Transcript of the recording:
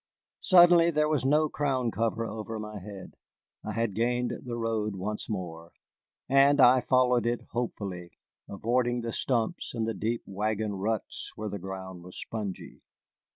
Suddenly there was no crown cover over my head. I had gained the road once more, and I followed it hopefully, avoiding the stumps and the deep wagon ruts where the ground was spongy.